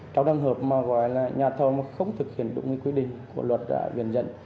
trong trường hợp mà gọi là nhà thông không thực hiện đúng quy định của luật viên dân